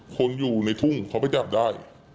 คนอยู่ในทุ่งเขาไปจับได้